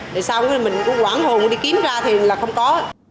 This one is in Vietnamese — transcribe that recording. để sao mình cũng quán hồn đi kiếm ra thì là không có